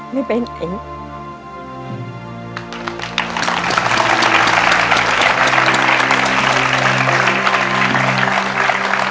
ไม่เป็นไง